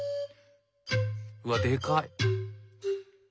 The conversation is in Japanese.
うわでかい。